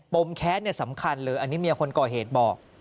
มแค้นสำคัญเลยอันนี้เมียคนก่อเหตุบอก